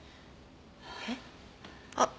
えっ？